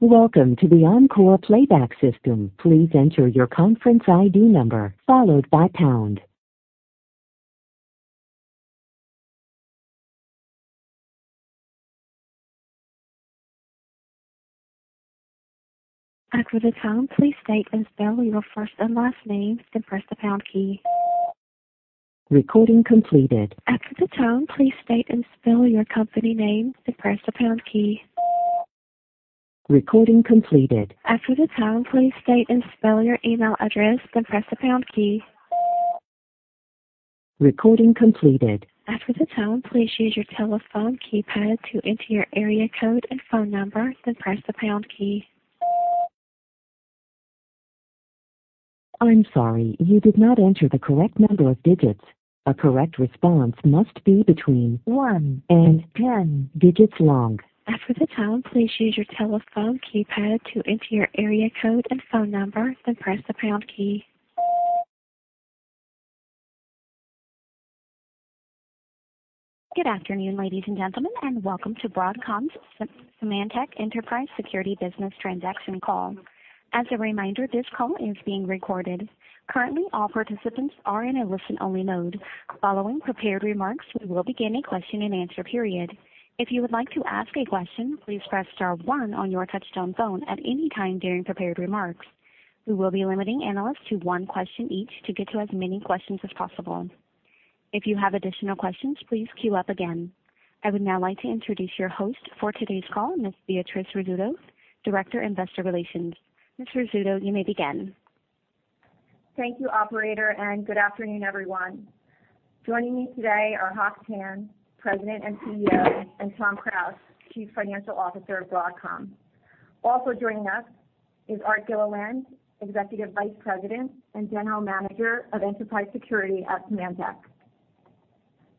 Welcome to the Encore playback system. Please enter your conference ID number followed by pound. After the tone, please state and spell your first and last name, then press the pound key. Recording completed. After the tone, please state and spell your company name, then press the pound key. Recording completed. After the tone, please state and spell your email address, then press the pound key. Recording completed. After the tone, please use your telephone keypad to enter your area code and phone number, then press the pound key. I'm sorry, you did not enter the correct number of digits. A correct response must be between one and 10 digits long. After the tone, please use your telephone keypad to enter your area code and phone number, then press the pound key. Good afternoon, ladies and gentlemen, and welcome to Broadcom's Symantec Enterprise Security business transaction call. As a reminder, this call is being recorded. Currently, all participants are in a listen-only mode. Following prepared remarks, we will begin a question-and-answer period. If you would like to ask a question, please press star one on your touchtone phone at any time during prepared remarks. We will be limiting analysts to one question each to get to as many questions as possible. If you have additional questions, please queue up again. I would now like to introduce your host for today's call, Ms. Ji Yoo, Director, Investor Relations. Ms. Ji Yoo, you may begin. Thank you operator. Good afternoon, everyone. Joining me today are Hock Tan, President and CEO, and Tom Krause, Chief Financial Officer of Broadcom. Also joining us is Art Gilliland, Executive Vice President and General Manager of Enterprise Security at Symantec.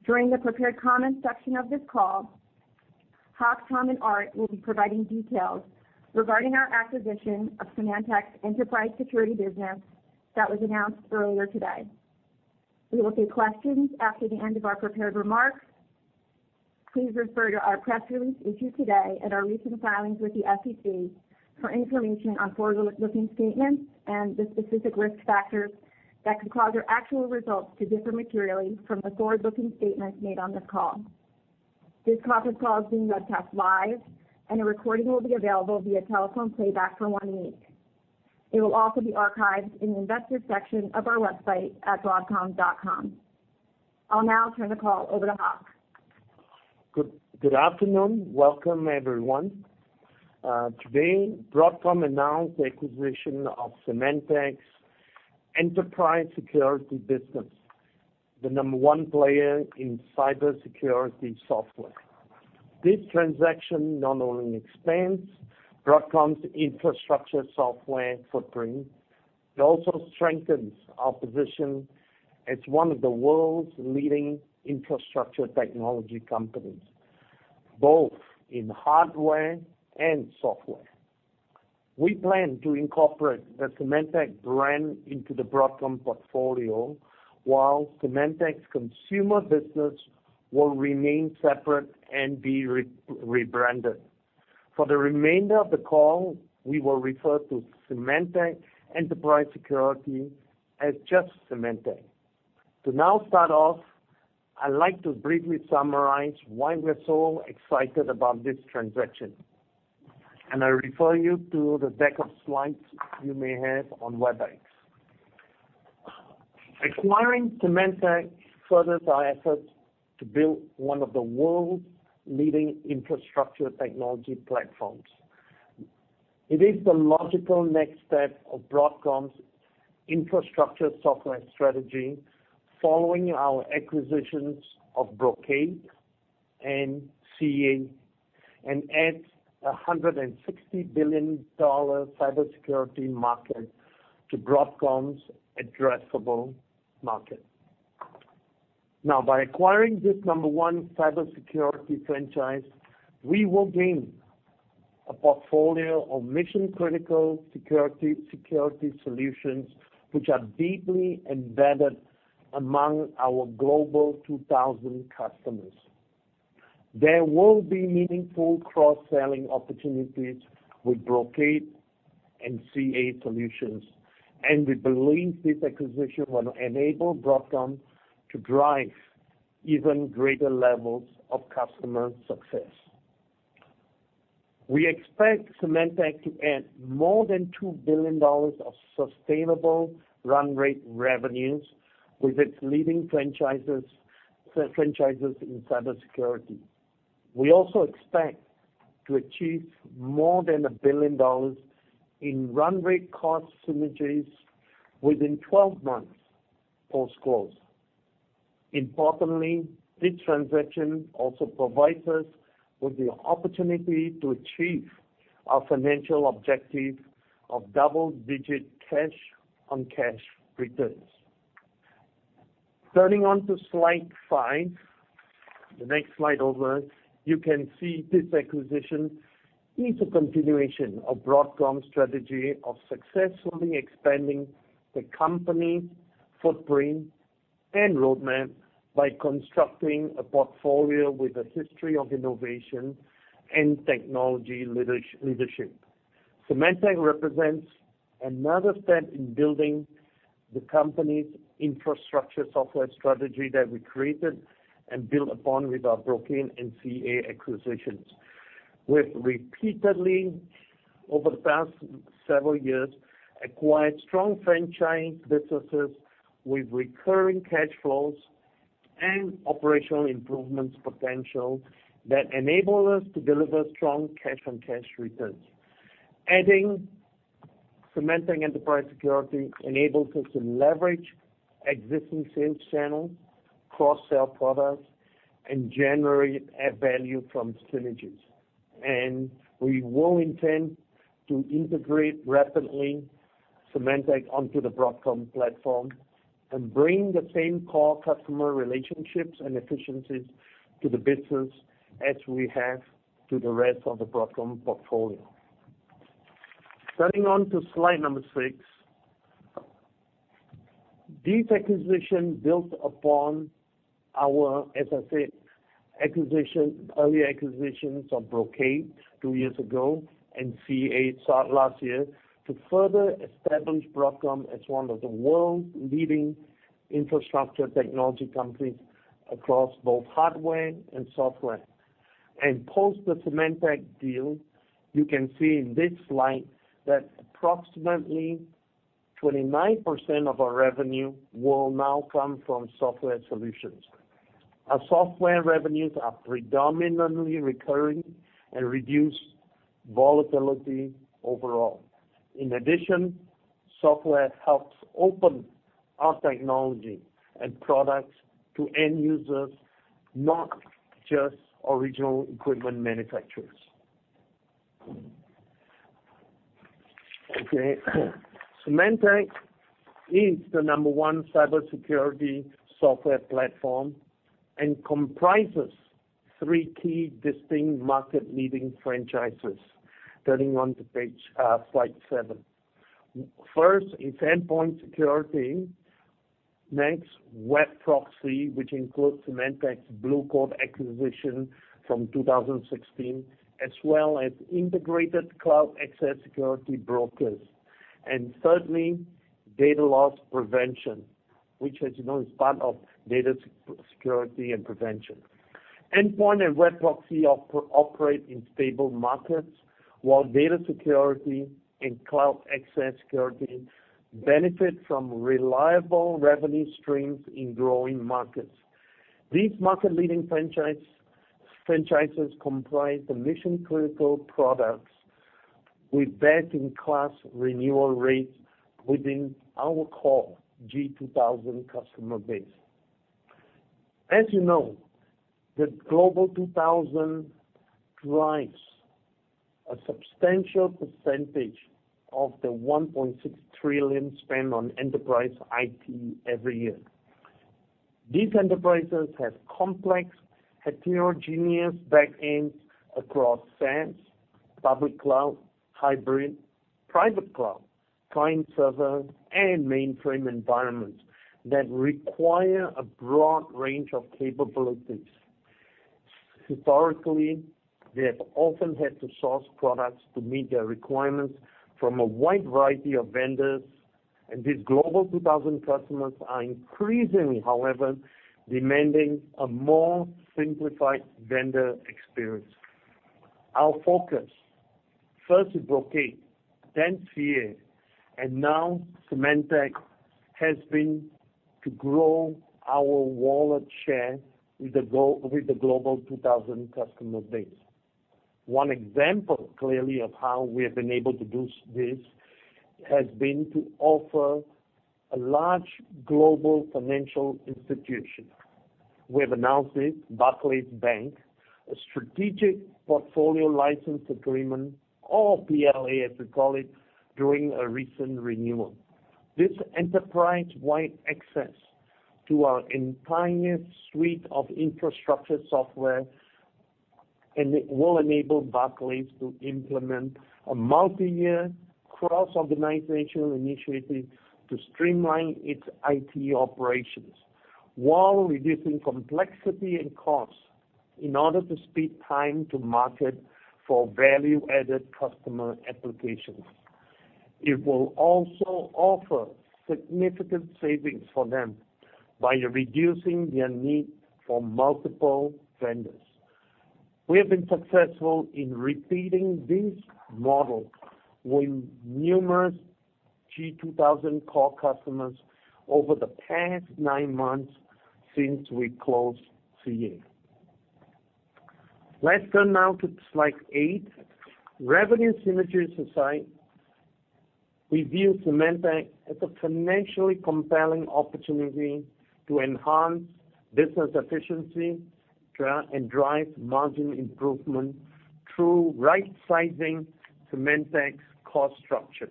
During the prepared comments section of this call, Hock, Tom, and Art will be providing details regarding our acquisition of Symantec's Enterprise Security business that was announced earlier today. We will take questions after the end of our prepared remarks. Please refer to our press release issued today and our recent filings with the SEC for information on forward-looking statements and the specific risk factors that could cause our actual results to differ materially from the forward-looking statements made on this call. This conference call is being webcast live, and a recording will be available via telephone playback for one week. It will also be archived in the Investor section of our website at broadcom.com. I'll now turn the call over to Hock. Good afternoon. Welcome, everyone. Today, Broadcom announced the acquisition of Symantec's Enterprise Security business, the number one player in cybersecurity software. This transaction not only expands Broadcom's infrastructure software footprint, it also strengthens our position as one of the world's leading infrastructure technology companies, both in hardware and software. We plan to incorporate the Symantec brand into the Broadcom portfolio, while Symantec's consumer business will remain separate and be rebranded. For the remainder of the call, we will refer to Symantec Enterprise Security as just Symantec. To now start off, I'd like to briefly summarize why we're so excited about this transaction. I refer you to the deck of slides you may have on Webex. Acquiring Symantec furthers our efforts to build one of the world's leading infrastructure technology platforms. It is the logical next step of Broadcom's Infrastructure Software strategy following our acquisitions of Brocade and CA, and adds a $160 billion cybersecurity market to Broadcom's addressable market. Now, by acquiring this number one cybersecurity franchise, we will gain a portfolio of mission-critical security solutions which are deeply embedded among our Global 2,000 customers. There will be meaningful cross-selling opportunities with Brocade and CA solutions, and we believe this acquisition will enable Broadcom to drive even greater levels of customer success. We expect Symantec to add more than $2 billion of sustainable run rate revenues with its leading franchises in cybersecurity. We also expect to achieve more than $1 billion in run rate cost synergies within 12 months post-close. Importantly, this transaction also provides us with the opportunity to achieve our financial objective of double-digit cash on cash returns. Turning on to slide five, the next slide over, you can see this acquisition is a continuation of Broadcom's strategy of successfully expanding the company's footprint and roadmap by constructing a portfolio with a history of innovation and technology leadership. Symantec represents another step in building the company's Infrastructure Software strategy that we created and built upon with our Brocade and CA acquisitions. We have repeatedly, over the past several years, acquired strong franchise businesses with recurring cash flows and operational improvements potential that enable us to deliver strong cash-on-cash returns. Adding Symantec Enterprise Security enables us to leverage existing sales channels, cross-sell products, and generate value from synergies. We will intend to integrate rapidly Symantec onto the Broadcom platform and bring the same core customer relationships and efficiencies to the business as we have to the rest of the Broadcom portfolio. Turning on to slide number six. This acquisition builds upon our, as I said, early acquisitions of Brocade two years ago and CA last year to further establish Broadcom as one of the world's leading infrastructure technology companies across both hardware and software. Post the Symantec deal, you can see in this slide that approximately 29% of our revenue will now come from software solutions. Our software revenues are predominantly recurring and reduce volatility overall. In addition, software helps open our technology and products to end users, not just original equipment manufacturers. Okay. Symantec is the number one cybersecurity software platform and comprises three key distinct market-leading franchises. Turning on to slide seven. First is endpoint security. Next, web proxy, which includes Symantec's Blue Coat acquisition from 2016, as well as integrated cloud access security brokers. Thirdly, data loss prevention, which as you know is part of data security and prevention. Endpoint and web proxy operate in stable markets, while data security and cloud access security benefit from reliable revenue streams in growing markets. These market-leading franchises comprise the mission-critical products with best-in-class renewal rates within our core G2000 customer base. As you know, the Global 2000 drives a substantial percentage of the $1.6 trillion spent on enterprise IT every year. These enterprises have complex heterogeneous backends across SaaS, public cloud, hybrid, private cloud, client server, and mainframe environments that require a broad range of capabilities. Historically, they have often had to source products to meet their requirements from a wide variety of vendors. These Global 2000 customers are increasingly, however, demanding a more simplified vendor experience. Our focus, first with Brocade, then CA, and now Symantec, has been to grow our wallet share with the Global 2000 customer base. One example clearly of how we have been able to do this has been to offer a large global financial institution. We have announced this, Barclays Bank, a strategic portfolio license agreement, or PLA as we call it, during a recent renewal. This enterprise-wide access to our entire suite of Infrastructure Software, and it will enable Barclays to implement a multi-year cross-organizational initiative to streamline its IT operations while reducing complexity and cost in order to speed time to market for value-added customer applications. It will also offer significant savings for them by reducing their need for multiple vendors. We have been successful in repeating this model with numerous G2000 core customers over the past nine months since we closed CA. Let's turn now to slide eight. Revenue synergies aside, we view Symantec as a financially compelling opportunity to enhance business efficiency and drive margin improvement through right-sizing Symantec's cost structure.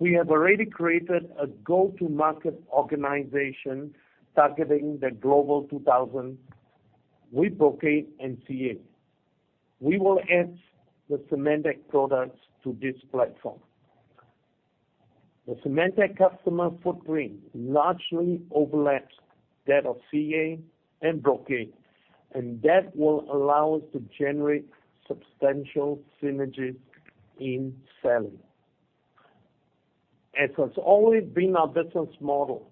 We have already created a go-to-market organization targeting the Global 2000 with Brocade and CA. We will add the Symantec products to this platform. The Symantec customer footprint largely overlaps that of CA and Brocade, and that will allow us to generate substantial synergies in selling. As has always been our business model,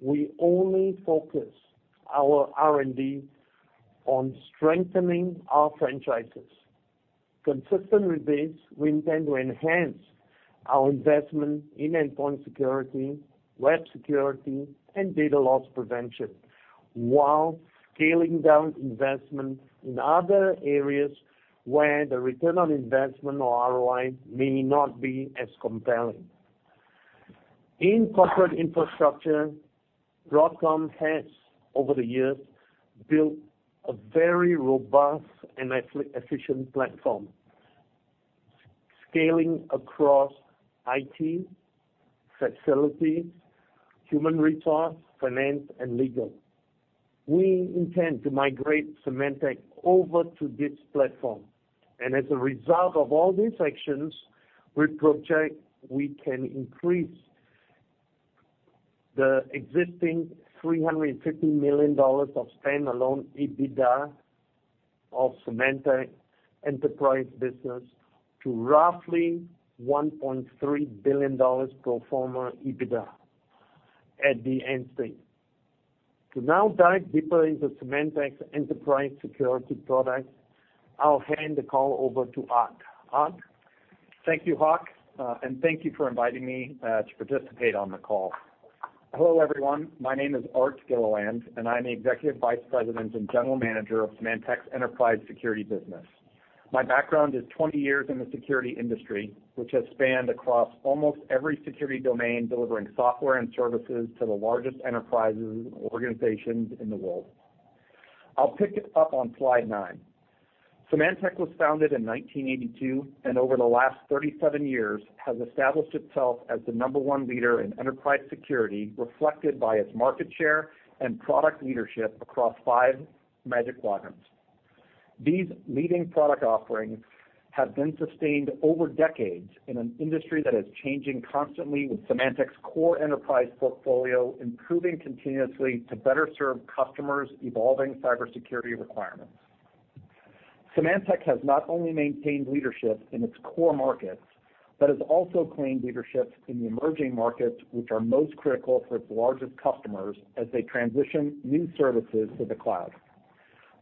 we only focus our R&D on strengthening our franchises. Consistent with this, we intend to enhance our investment in endpoint security, web security, and data loss prevention, while scaling down investment in other areas where the return on investment or ROI may not be as compelling. In corporate infrastructure, Broadcom has, over the years, built a very robust and efficient platform, scaling across IT, facilities, human resource, finance, and legal. We intend to migrate Symantec over to this platform. As a result of all these actions, we project we can increase the existing $350 million of standalone EBITDA of Symantec enterprise business to roughly $1.3 billion pro forma EBITDA at the end state. To now dive deeper into Symantec's enterprise security products, I'll hand the call over to Art. Art? Thank you, Hock, and thank you for inviting me to participate on the call. Hello, everyone. My name is Art Gilliland, and I'm the Executive Vice President and General Manager of Symantec's Enterprise Security business. My background is 20 years in the security industry, which has spanned across almost every security domain, delivering software and services to the largest enterprises and organizations in the world. I'll pick it up on slide nine. Symantec was founded in 1982, and over the last 37 years has established itself as the number one leader in enterprise security, reflected by its market share and product leadership across five Magic Quadrant. These leading product offerings have been sustained over decades in an industry that is changing constantly, with Symantec's core enterprise portfolio improving continuously to better serve customers' evolving cybersecurity requirements. Symantec has not only maintained leadership in its core markets, but has also claimed leadership in the emerging markets which are most critical for its largest customers as they transition new services to the cloud.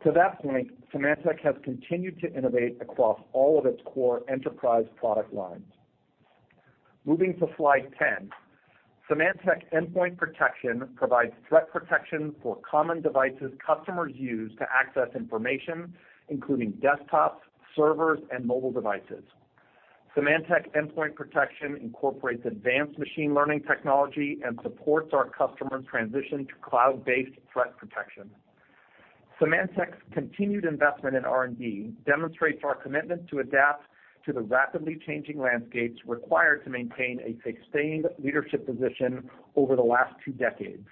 To that point, Symantec has continued to innovate across all of its core enterprise product lines. Moving to slide 10. Symantec Endpoint Protection provides threat protection for common devices customers use to access information, including desktops, servers, and mobile devices. Symantec Endpoint Protection incorporates advanced machine learning technology and supports our customers' transition to cloud-based threat protection. Symantec's continued investment in R&D demonstrates our commitment to adapt to the rapidly changing landscapes required to maintain a sustained leadership position over the last two decades.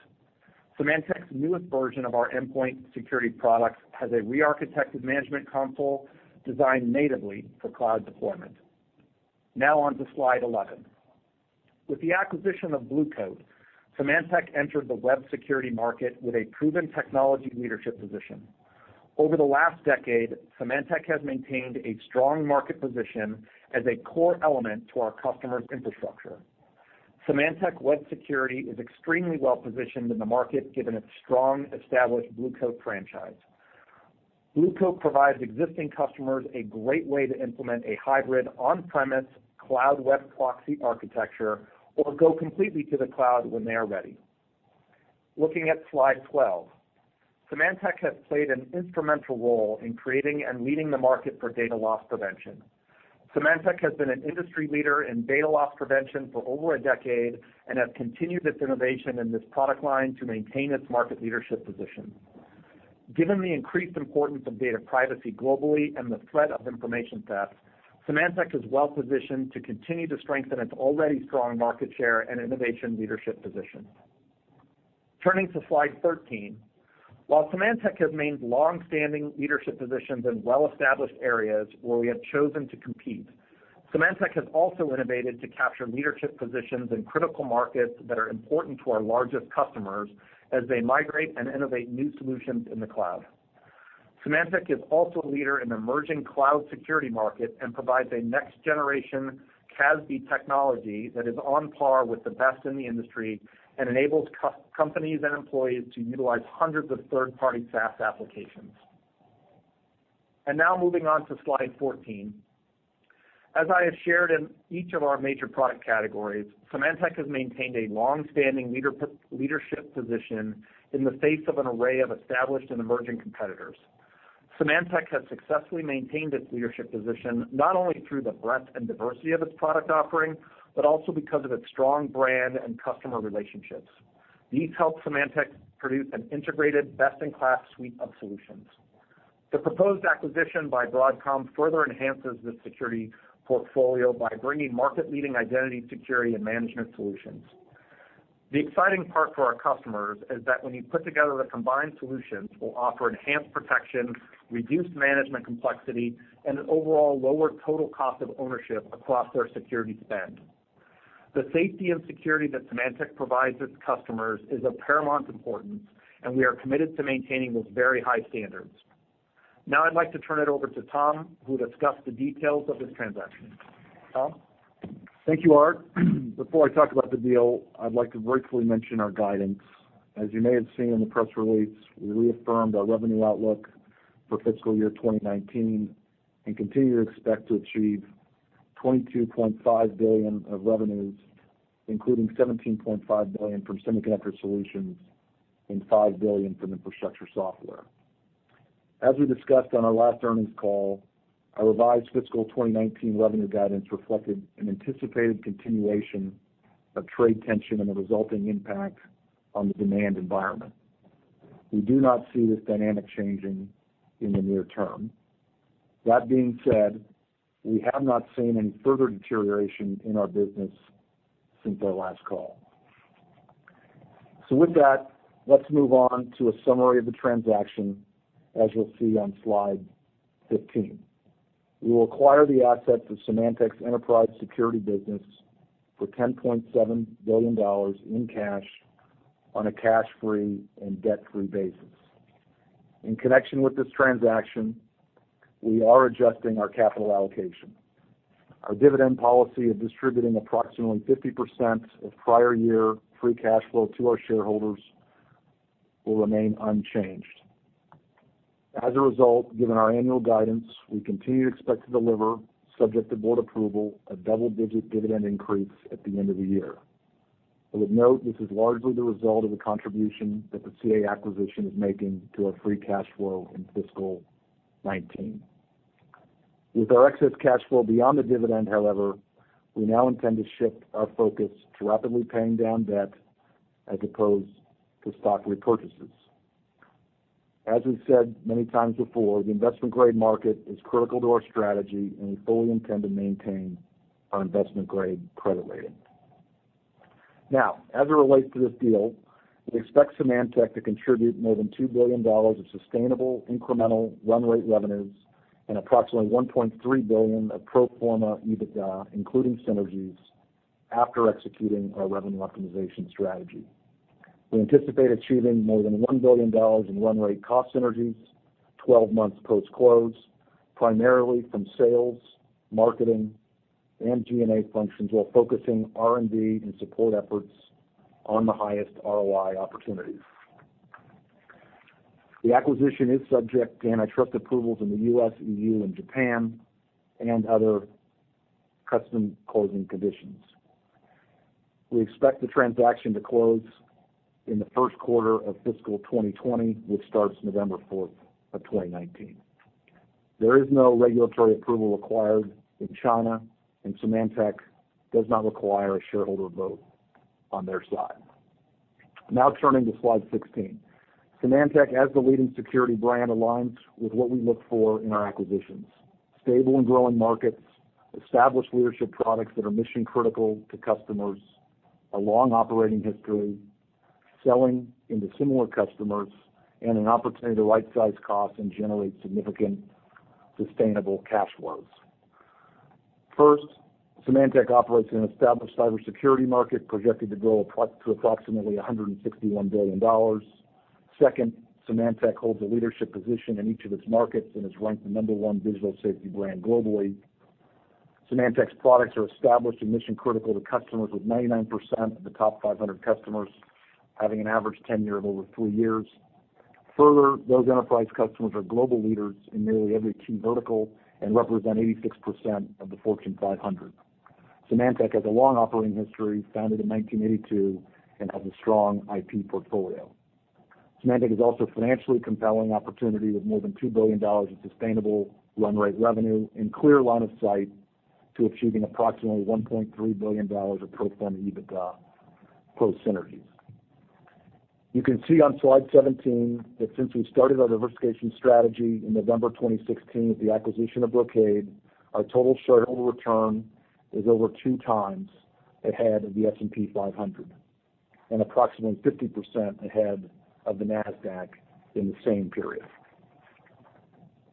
Symantec's newest version of our endpoint security products has a rearchitected management console designed natively for cloud deployment. Now on to slide 11. With the acquisition of Blue Coat, Symantec entered the web security market with a proven technology leadership position. Over the last decade, Symantec has maintained a strong market position as a core element to our customers' infrastructure. Symantec Web Security is extremely well-positioned in the market, given its strong, established Blue Coat franchise. Blue Coat provides existing customers a great way to implement a hybrid on-premise cloud web proxy architecture or go completely to the cloud when they are ready. Looking at slide 12. Symantec has played an instrumental role in creating and leading the market for data loss prevention. Symantec has been an industry leader in data loss prevention for over a decade and has continued its innovation in this product line to maintain its market leadership position. Given the increased importance of data privacy globally and the threat of information theft, Symantec is well-positioned to continue to strengthen its already strong market share and innovation leadership position. Turning to slide 13. While Symantec has maintained longstanding leadership positions in well-established areas where we have chosen to compete, Symantec has also innovated to capture leadership positions in critical markets that are important to our largest customers as they migrate and innovate new solutions in the cloud. Symantec is also a leader in the emerging cloud security market and provides a next-generation CASB technology that is on par with the best in the industry and enables companies and employees to utilize hundreds of third-party SaaS applications. Now moving on to slide 14. As I have shared in each of our major product categories, Symantec has maintained a long-standing leadership position in the face of an array of established and emerging competitors. Symantec has successfully maintained its leadership position, not only through the breadth and diversity of its product offering, but also because of its strong brand and customer relationships. These help Symantec produce an integrated, best-in-class suite of solutions. The proposed acquisition by Broadcom further enhances this security portfolio by bringing market-leading identity security and management solutions. The exciting part for our customers is that when you put together the combined solutions, we'll offer enhanced protection, reduced management complexity, and an overall lower total cost of ownership across their security spend. The safety and security that Symantec provides its customers is of paramount importance, and we are committed to maintaining those very high standards. Now I'd like to turn it over to Tom, who will discuss the details of this transaction. Tom? Thank you, Art. Before I talk about the deal, I'd like to briefly mention our guidance. As you may have seen in the press release, we reaffirmed our revenue outlook for fiscal year 2019 and continue to expect to achieve $22.5 billion of revenues, including $17.5 billion from Semiconductor Solutions and $5 billion from Infrastructure Software. As we discussed on our last earnings call, our revised fiscal 2019 revenue guidance reflected an anticipated continuation of trade tension and the resulting impact on the demand environment. We do not see this dynamic changing in the near term. That being said, we have not seen any further deterioration in our business since our last call. With that, let's move on to a summary of the transaction, as you'll see on slide 15. We will acquire the assets of Symantec's Enterprise Security business for $10.7 billion in cash on a cash-free and debt-free basis. In connection with this transaction, we are adjusting our capital allocation. Our dividend policy of distributing approximately 50% of prior year free cash flow to our shareholders will remain unchanged. As a result, given our annual guidance, we continue to expect to deliver, subject to board approval, a double-digit dividend increase at the end of the year. I would note this is largely the result of the contribution that the CA acquisition is making to our free cash flow in fiscal 2019. With our excess cash flow beyond the dividend, however, we now intend to shift our focus to rapidly paying down debt as opposed to stock repurchases. As we've said many times before, the investment-grade market is critical to our strategy, and we fully intend to maintain our investment-grade credit rating. Now, as it relates to this deal, we expect Symantec to contribute more than $2 billion of sustainable incremental run rate revenues and approximately $1.3 billion of pro forma EBITDA, including synergies, after executing our revenue optimization strategy. We anticipate achieving more than $1 billion in run rate cost synergies 12 months post-close, primarily from sales, marketing, and G&A functions, while focusing R&D and support efforts on the highest ROI opportunities. The acquisition is subject to antitrust approvals in the U.S., E.U., and Japan, and other custom closing conditions. We expect the transaction to close in the first quarter of fiscal 2020, which starts November 4, 2019. There is no regulatory approval required in China, and Symantec does not require a shareholder vote on their side. Now turning to slide 16. Symantec, as the leading security brand, aligns with what we look for in our acquisitions. Stable and growing markets, established leadership products that are mission-critical to customers, a long operating history, selling into similar customers, and an opportunity to rightsize costs and generate significant sustainable cash flows. First, Symantec operates in an established cybersecurity market projected to grow to approximately $161 billion. Second, Symantec holds a leadership position in each of its markets and is ranked the number one digital safety brand globally. Symantec's products are established and mission-critical to customers, with 99% of the top 500 customers having an average tenure of over three years. Further, those enterprise customers are global leaders in nearly every key vertical and represent 86% of the Fortune 500. Symantec has a long operating history, founded in 1982, and has a strong IP portfolio. Symantec is also a financially compelling opportunity with more than $2 billion of sustainable run rate revenue and clear line of sight to achieving approximately $1.3 billion of pro forma EBITDA post synergies. You can see on slide 17 that since we started our diversification strategy in November 2016 with the acquisition of Broadcom, our total shareholder return is over two times ahead of the S&P 500 and approximately 50% ahead of the Nasdaq in the same period.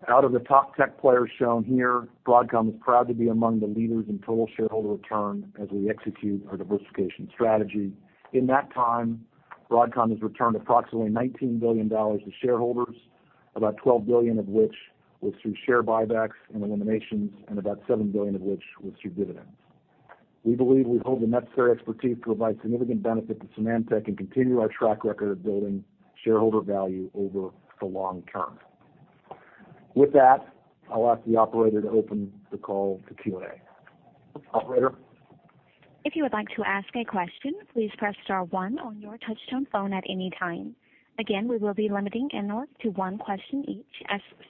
Out of the top tech players shown here, Broadcom is proud to be among the leaders in total shareholder return as we execute our diversification strategy. In that time, Broadcom has returned approximately $19 billion to shareholders, about $12 billion of which was through share buybacks and eliminations, and about $7 billion of which was through dividends. We believe we hold the necessary expertise to provide significant benefit to Symantec and continue our track record of building shareholder value over the long term. With that, I'll ask the operator to open the call to Q&A. Operator? If you would like to ask a question, please press star one on your touchtone phone at any time. Again, we will be limiting analysts to one question each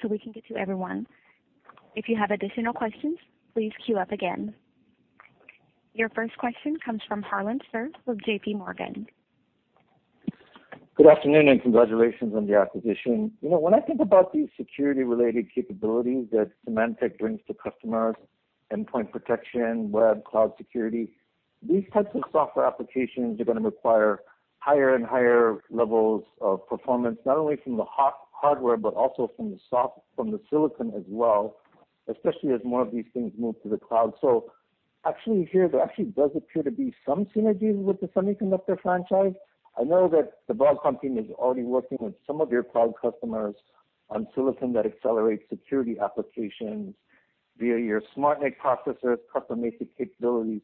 so we can get to everyone. If you have additional questions, please queue up again. Your first question comes from Harlan Sur with JP Morgan. Good afternoon. Congratulations on the acquisition. When I think about these security related capabilities that Symantec brings to customers, endpoint protection, web, cloud security, these types of software applications are going to require higher and higher levels of performance, not only from the hardware, but also from the silicon as well, especially as more of these things move to the cloud. Actually here, there actually does appear to be some synergies with the semiconductor franchise. I know that the Broadcom team is already working with some of your cloud customers on silicon that accelerates security applications via your SmartNIC processors, custom-made capabilities.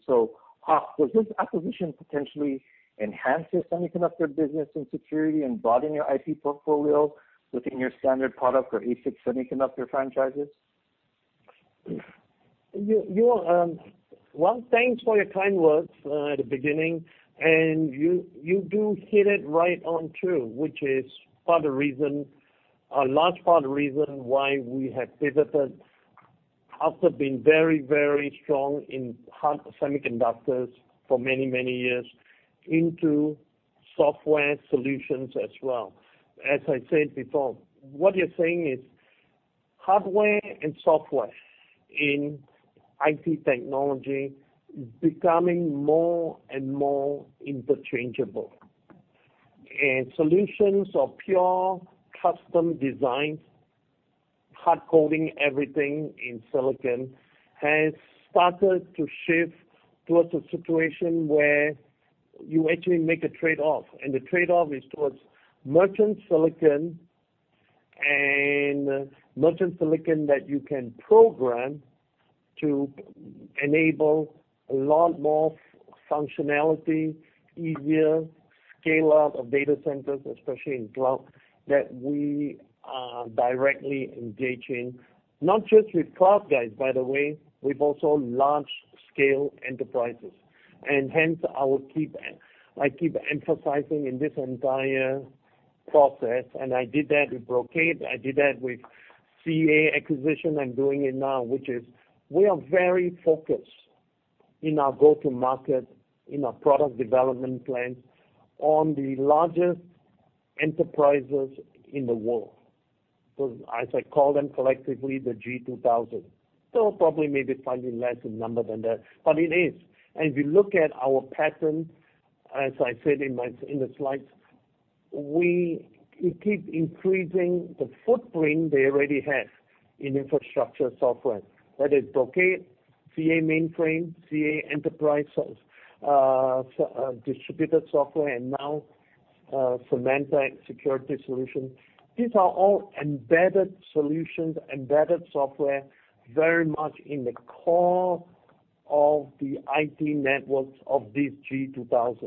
Hock, does this acquisition potentially enhance your semiconductor business and security and broaden your IP portfolio within your standard product or ASICs semiconductor franchises? Well, thanks for your kind words at the beginning, and you do hit it right on too, which is a large part of the reason why we have pivoted after being very strong in hard semiconductors for many years into software solutions as well. As I said before, what you're saying is hardware and software in IT technology becoming more and interchangeable. Solutions of pure custom design, hard coding everything in silicon, has started to shift towards a situation where you actually make a trade-off, and the trade-off is towards merchant silicon and merchant silicon that you can program to enable a lot more functionality, easier scale out of data centers, especially in cloud, that we are directly engaging. Not just with cloud guys, by the way. With also large scale enterprises. Hence I keep emphasizing in this entire process, I did that with Brocade, I did that with CA acquisition. I'm doing it now, which is we are very focused in our go-to-market, in our product development plans on the largest enterprises in the world. As I call them collectively, the G2000. Probably maybe slightly less in number than that, but it is. If you look at our pattern, as I said in the slides, we keep increasing the footprint they already have in Infrastructure Software. That is Brocade, CA mainframe, CA enterprise, distributed software, and now Symantec security solution. These are all embedded solutions, embedded software, very much in the core of the IT networks of these G2000.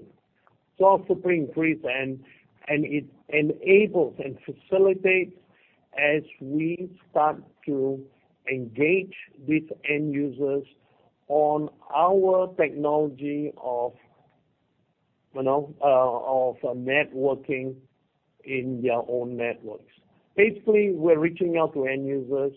It's a big increase and it enables and facilitates as we start to engage these end users on our technology of networking in their own networks. We're reaching out to end users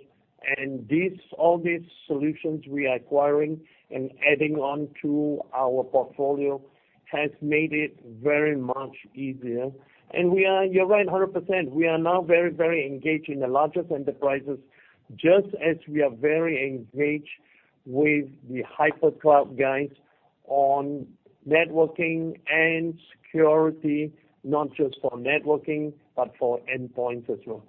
and all these solutions we are acquiring and adding on to our portfolio has made it very much easier. You're right 100%, we are now very engaged in the largest enterprises, just as we are very engaged with the hyper-cloud guys on networking and security, not just for networking, but for endpoints as well.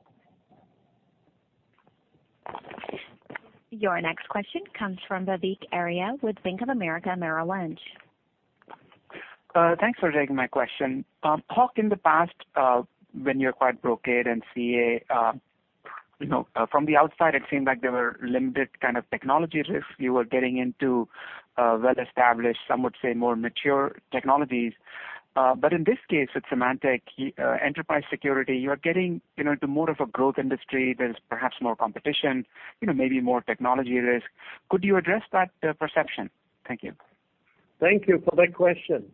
Your next question comes from Vivek Arya with Bank of America Merrill Lynch. Thanks for taking my question. Hock, in the past, when you acquired Brocade and CA, from the outside it seemed like there were limited kind of technology risk. You were getting into well established, some would say more mature technologies. In this case, with Symantec Enterprise Security, you're getting into more of a growth industry. There's perhaps more competition, maybe more technology risk. Could you address that perception? Thank you. Thank you for that question.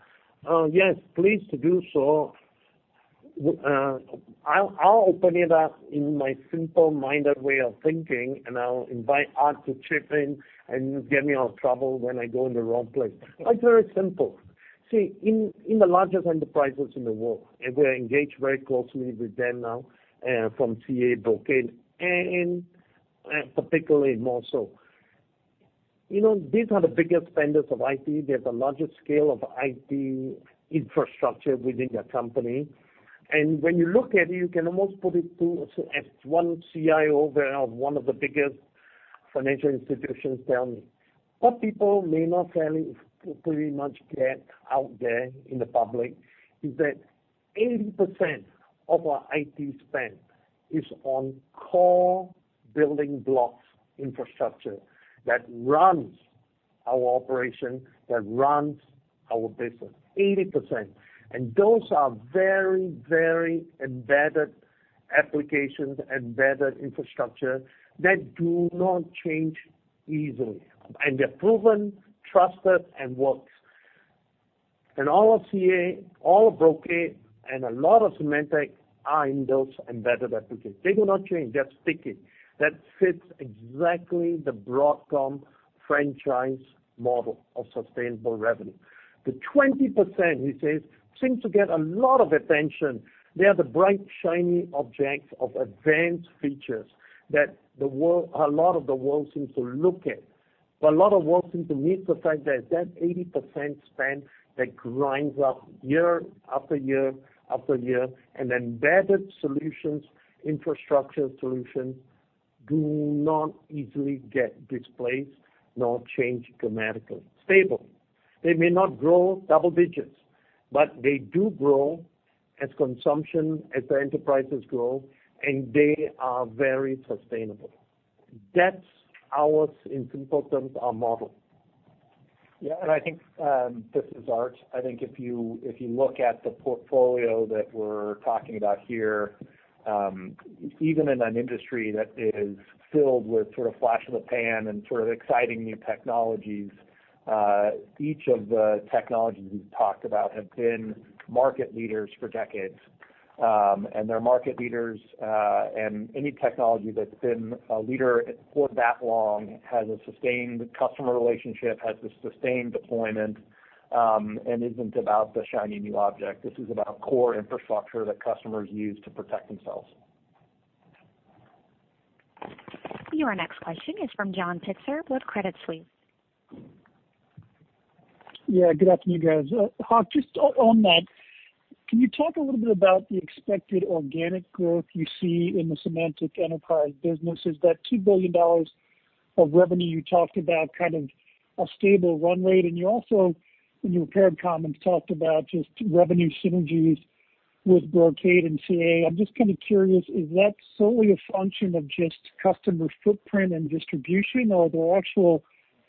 Yes, pleased to do so. I'll open it up in my simple-minded way of thinking, I'll invite Art to chip in and get me out of trouble when I go in the wrong place. It's very simple. See, in the largest enterprises in the world, we're engaged very closely with them now, from CA, Brocade, particularly more so. These are the biggest spenders of IT. They have the largest scale of IT infrastructure within their company. When you look at it, you can almost put it to, as one CIO of one of the biggest financial institutions tell me, what people may not fairly, pretty much get out there in the public is that 80% of our IT spend is on core building blocks infrastructure that runs our operation, that runs our business, 80%. Those are very embedded applications, embedded infrastructure that do not change easily, and they're proven, trusted, and works. All of CA, all of Brocade, and a lot of Symantec are in those embedded applications. They do not change. They are sticky. That fits exactly the Broadcom franchise model of sustainable revenue. The 20%, he says, seems to get a lot of attention. They are the bright, shiny objects of advanced features that a lot of the world seems to look at. A lot of the world seems to miss the fact that that 80% spend that grinds up year after year, and embedded solutions, infrastructure solutions, do not easily get displaced nor change dramatically. Stable. They may not grow double digits, but they do grow as consumption, as the enterprises grow, and they are very sustainable. That's ours, in simple terms, our model. Yeah, I think, this is Art. I think if you look at the portfolio that we're talking about here, even in an industry that is filled with sort of flash in the pan and sort of exciting new technologies, each of the technologies we've talked about have been market leaders for decades. They're market leaders, and any technology that's been a leader for that long has a sustained customer relationship, has a sustained deployment, and isn't about the shiny new object. This is about core infrastructure that customers use to protect themselves. Your next question is from John Pitzer with Credit Suisse. Yeah, good afternoon, guys. Hock, just on that, can you talk a little bit about the expected organic growth you see in the Symantec enterprise business? Is that $2 billion of revenue you talked about kind of a stable run rate? You also, in your prepared comments, talked about just revenue synergies with Brocade and CA. I'm just kind of curious, is that solely a function of just customer footprint and distribution, or are there actual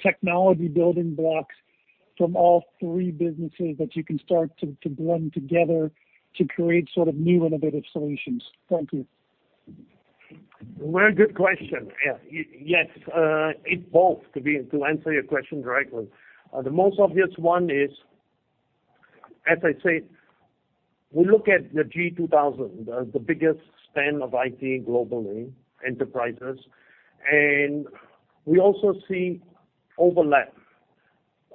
technology building blocks from all three businesses that you can start to blend together to create sort of new innovative solutions? Thank you. Very good question. Yes. It's both, to answer your question directly. The most obvious one is, as I say, we look at the G2000, the biggest spend of IT globally, enterprises, and we also see overlap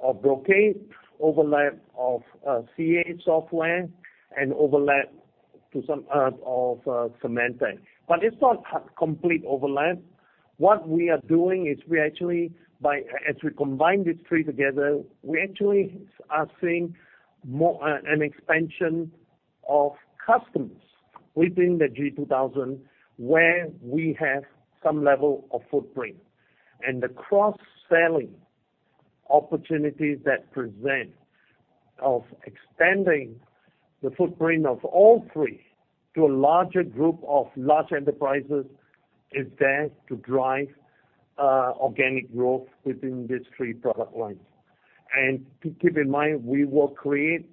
of Brocade, overlap of CA software, and overlap of Symantec. It's not complete overlap. What we are doing is we actually, as we combine these three together, we actually are seeing an expansion of customers within the G2000 where we have some level of footprint. The cross-selling opportunities that present of expanding the footprint of all three to a larger group of large enterprises is there to drive organic growth within these three product lines. Keep in mind, we will create,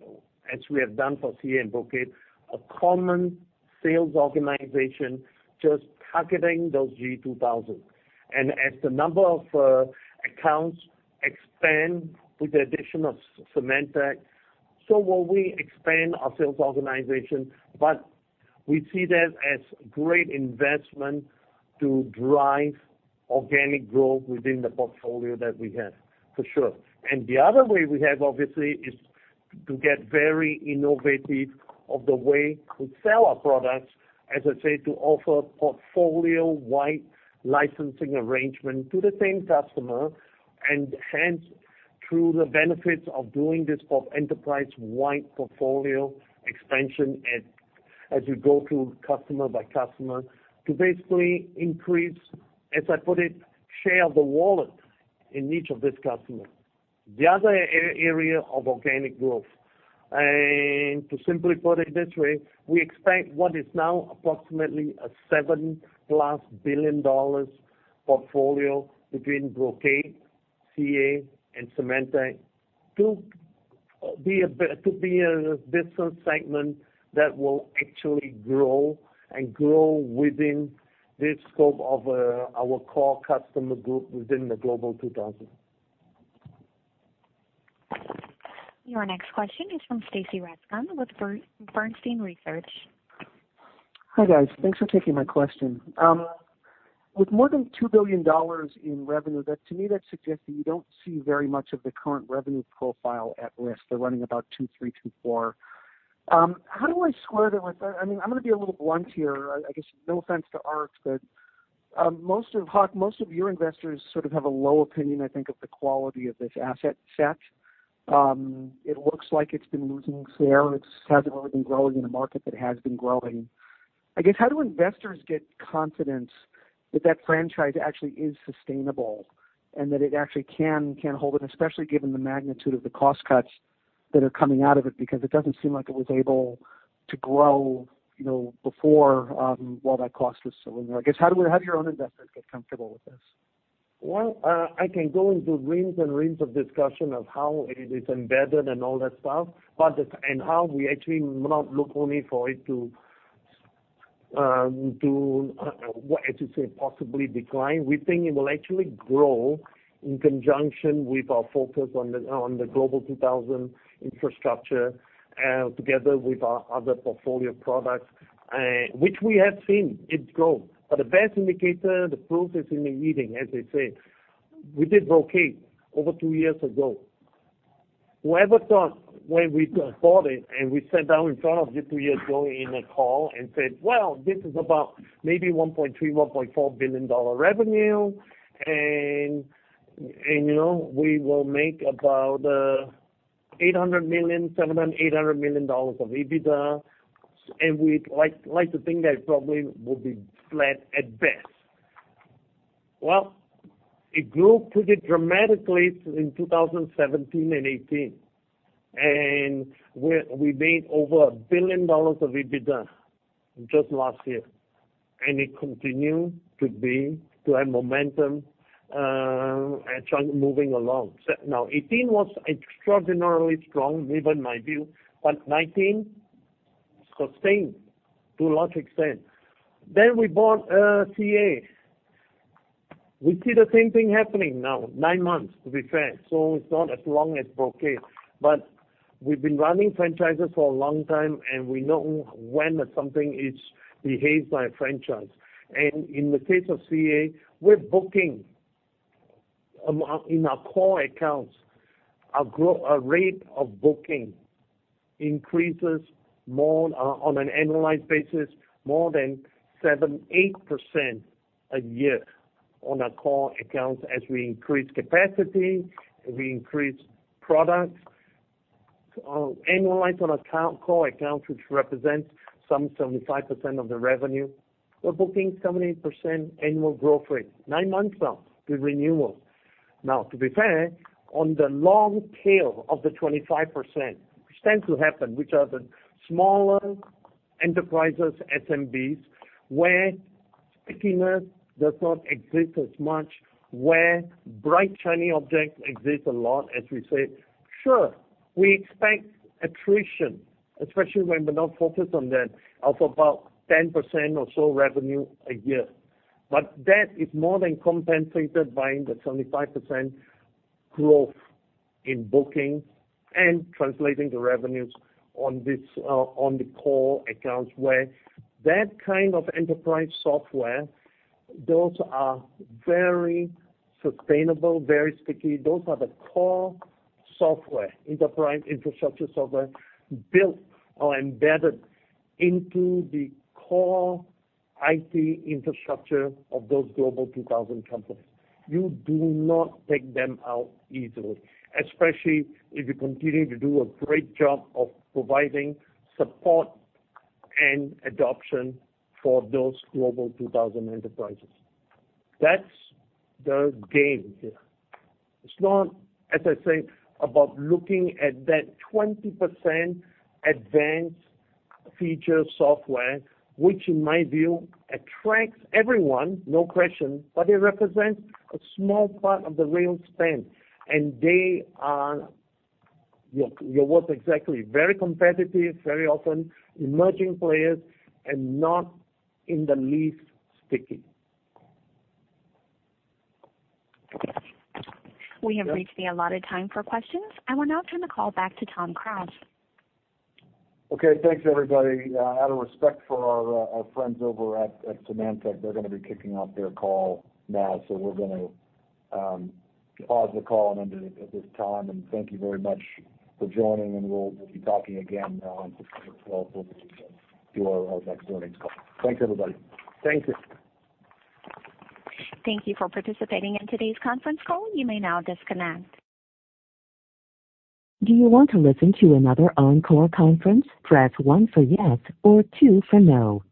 as we have done for CA and Brocade, a common sales organization just targeting those G2000. As the number of accounts expand with the addition of Symantec, so will we expand our sales organization. We see that as great investment to drive organic growth within the portfolio that we have, for sure. The other way we have, obviously, is to get very innovative of the way we sell our products, as I say, to offer portfolio-wide licensing arrangement to the same customer, and hence, through the benefits of doing this for enterprise-wide portfolio expansion as we go through customer by customer, to basically increase, as I put it, share the wallet in each of these customers. The other area of organic growth, and to simply put it this way, we expect what is now approximately a $7 plus billion portfolio between Brocade, CA, and Symantec to be a different segment that will actually grow and grow within this scope of our core customer group within the Global 2000. Your next question is from Stacy Rasgon with Bernstein Research. Hi, guys. Thanks for taking my question. With more than $2 billion in revenue, to me, that suggests that you don't see very much of the current revenue profile at risk. They're running about two three, two four. How do I square that with that? I'm going to be a little blunt here. I guess no offense to Art, Hock, most of your investors sort of have a low opinion, I think, of the quality of this asset set. It looks like it's been losing share. It hasn't really been growing in a market that has been growing. I guess, how do investors get confidence that that franchise actually is sustainable and that it actually can hold it, especially given the magnitude of the cost cuts that are coming out of it? It doesn't seem like it was able to grow before while that cost was still in there. I guess, how do your own investors get comfortable with this? Well, I can go into reams and reams of discussion of how it is embedded and all that stuff, how we actually not look only for it to, as you say, possibly decline. We think it will actually grow in conjunction with our focus on the Global 2000 infrastructure, together with our other portfolio of products, which we have seen it grow. The best indicator, the proof is in the eating, as they say. We did Brocade over two years ago. Whoever thought when we bought it, and we sat down in front of you two years ago in a call and said, "Well, this is about maybe $1.3 billion, $1.4 billion revenue, and we will make about $700 million, $800 million of EBITDA, and we'd like to think that it probably will be flat at best." Well, it grew pretty dramatically in 2017 and 2018, and we made over $1 billion of EBITDA just last year, and it continued to have momentum actually moving along. Now, 2018 was extraordinarily strong, even my view. 2019 sustained to a large extent. We bought CA. We see the same thing happening now, nine months, to be fair, so it's not as long as Brocade. We've been running franchises for a long time, and we know when something behaves like a franchise. In the case of CA, we're booking in our core accounts, our rate of booking increases on an annualized basis, more than 78% a year on our core accounts as we increase capacity, as we increase products. Annualized on core accounts, which represents some 75% of the revenue, we're booking 78% annual growth rate, nine months out with renewals. Now, to be fair, on the long tail of the 25%, which tends to happen, which are the smaller enterprises, SMBs, where stickiness does not exist as much, where bright, shiny objects exist a lot, as we say. Sure, we expect attrition, especially when we're not focused on that, of about 10% or so revenue a year. That is more than compensated by the 75% growth in bookings and translating the revenues on the core accounts where that kind of enterprise software, those are very sustainable, very sticky. Those are the core software, enterprise infrastructure software, built or embedded into the core IT infrastructure of those Global 2000 companies. You do not take them out easily, especially if you continue to do a great job of providing support and adoption for those Global 2000 enterprises. That's the game here. It's not, as I say, about looking at that 20% advanced feature software, which in my view, attracts everyone, no question, but it represents a small part of the real spend, and they are, your words exactly, very competitive, very often emerging players, and not in the least sticky. We have reached the allotted time for questions. We'll now turn the call back to Tom Krause. Okay, thanks everybody. Out of respect for our friends over at Symantec, they're going to be kicking off their call now. We're going to pause the call at this time. Thank you very much for joining, and we'll be talking again on September 12th when we do our next earnings call. Thanks, everybody. Thank you. Thank you for participating in today's conference call. You may now disconnect. Do you want to listen to another Encore conference? Press one for yes or two for no.